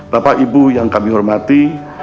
bapak ibu yang kami hormati